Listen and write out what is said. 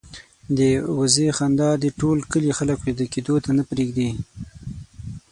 د وزې خندا د ټول کلي خلک وېده کېدو ته نه پرېږدي.